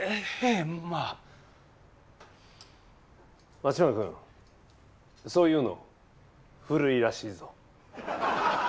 松島君そういうの古いらしいぞ。